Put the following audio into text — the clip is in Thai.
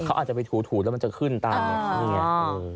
เขาอาจจะไปถูแล้วมันจะขึ้นตามไงนี่ไง